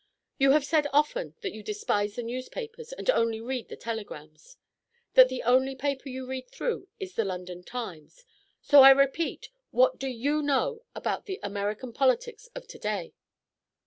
You have said often that you despise the newspapers and only read the telegrams; that the only paper you read through is the London Times. So, I repeat, what do you know about the American politics of to day?"